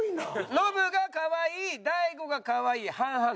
ノブがかわいい大悟がかわいい半々です。